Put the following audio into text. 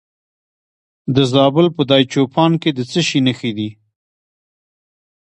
د زابل په دایچوپان کې د څه شي نښې دي؟